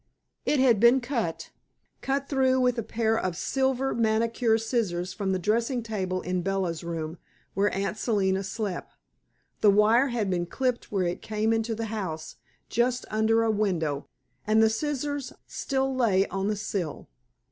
It had been cut! Cut through with a pair of silver manicure scissors from the dressing table in Bella's room, where Aunt Selina slept! The wire had been clipped where it came into the house, just under a window, and the scissors still lay on the sill.